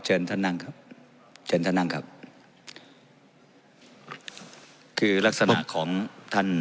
เชิญท่านนั่งครับเชิญท่านนั่งครับคือลักษณะของท่าน